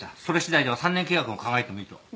それ次第では３年契約を考えてもいいと。